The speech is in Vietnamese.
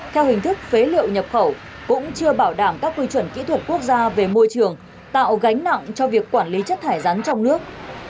theo hình thức phế liệu nhập khẩu cũng chưa bảo đảm các quy chuẩn kỹ thuật quốc gia về môi trường tạo gánh nặng cho việc quản lý chất thải rắn trong nước